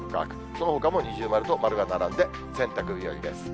そのほかも二重丸と丸が並んで、洗濯日和です。